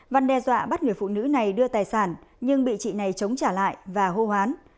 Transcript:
văn đe dọa bắt người phụ nữ này đưa tài sản nhưng bị chị này chống trả lại và hô hoán